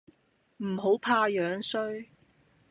唔好怕樣衰